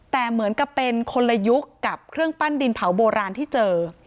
แต่เหมือนกับเป็นคนละยุคกับเครื่องปั้นดินเผาโบราณที่เจอ